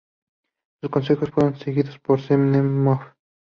Sus consejos fueron seguidos por Zamenhof.